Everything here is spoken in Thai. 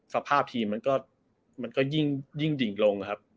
สภาพทีมมันก็ยิ่งดิ่งลงครับ